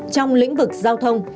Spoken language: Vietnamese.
trong lĩnh vực giao thông